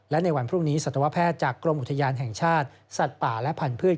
และในวันพรุ่งนี้สัตวแพทย์จากกรมอุทยานแห่งชาติสัตว์ป่าและพันธุ์